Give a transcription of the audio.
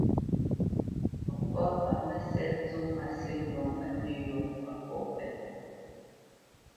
Papá pa Mə́sɛ̌t zó mâsə̂ lɔ ŋwɛ́ʼnə̄ yɔ̂ mbwǎ pɔ̂ pɛ́.